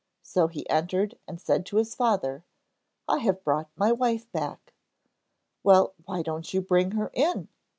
So he entered and said to his father: 'I have brought my wife back.' 'Well, why don't you bring her in?'